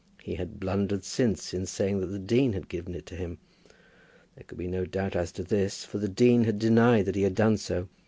He had blundered since, in saying that the dean had given it to him. There could be no doubt as to this, for the dean had denied that he had done so.